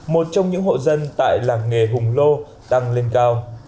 một trong những hộ dân tại làng nghề hùng lô đang lên cao